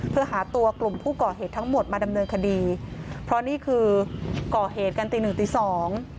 เพื่อหาตัวกลุ่มผู้ก่อเหตุทั้งหมดมาดำเนินคดีเพราะนี่คือก่อเหตุกันตีหนึ่งตีสอง